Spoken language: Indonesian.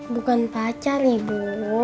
bukan pacar ibu